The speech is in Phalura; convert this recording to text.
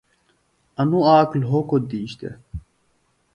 انوۡ آک لھوکوۡ دِیش دےۡ